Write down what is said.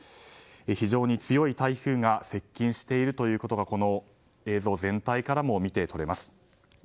非常に強い台風が接近していることがこの映像全体からも見て取れます。